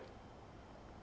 giảm thuế bất kỳ